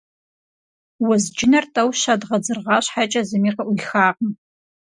Уэзджынэр тӀэу-щэ дгъэдзыргъа щхьэкӀэ зыми къыӀуихакъым.